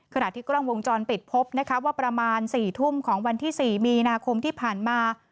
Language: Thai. ขณะที่กล้องวงจรปิดพบนะคะว่าประมาณ๔ทุ่มของวันที่๔มีนาคมที่ผ่านมา